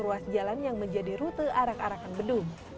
ruas jalan yang menjadi rute arak arakan gedung